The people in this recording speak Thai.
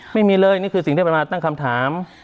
ไม่มีเลยนี่คือสิ่งที่พระอาจารย์ตั้งคำถาม